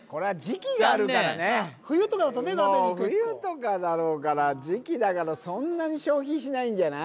残念もう冬とかだろうから時期だからそんなに消費しないんじゃない？